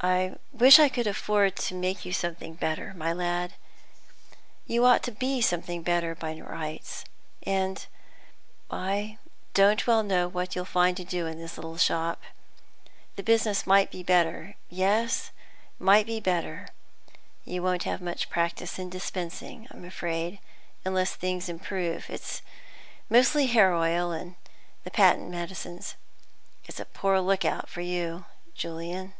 "I wish I could afford to make you something better, my lad; you ought to be something better by rights. And I don't well know what you'll find to do in this little shop. The business might be better; yes, might be better. You won't have much practice in dispensing, I'm afraid, unless things improve. It is mostly hair oil, and the patent medicines. It's a poor look out for you, Julian."